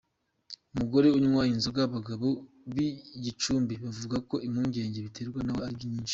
Umugore unywa inzoga, abagabo b’i Gicumbi bavuga ko impungenge baterwa nawe ari nyinshi.